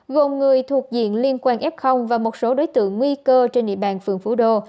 gồm người thuộc diện liên quan f và một số đối tượng nguy cơ trên địa bàn phường phú đô